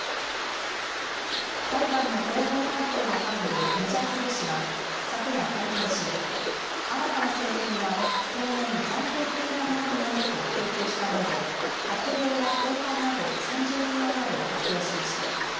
タリバンの報道担当の幹部、ムジャヒド氏は、昨夜、会見し、新たな政権は当面、暫定的なものになると強調したうえで、閣僚や高官など３０人余りを発表しました。